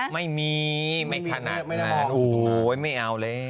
ไม่มีไม่ขนาดนั้นโอ้โหไม่เอาเลย